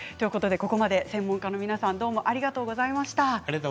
ここまで専門家の皆さんありがとうございました。